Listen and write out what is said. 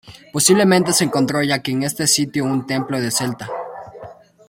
Posiblemente se encontró ya en este sitio un templo celta.